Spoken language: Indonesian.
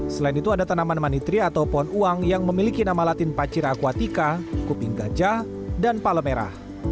selain itu ada tanaman manitri atau pohon uang yang memiliki nama latin pacir aquatika kuping gajah dan palemera